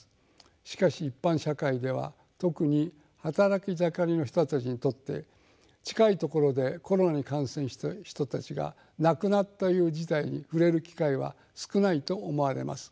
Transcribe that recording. しかし一般社会では特に働き盛りの人たちにとって近いところでコロナに感染した人たちが亡くなったという事態に触れる機会は少ないと思われます。